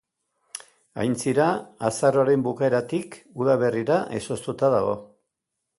Aintzira azaroaren bukaeratik udaberrira izoztuta dago.